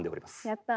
やった！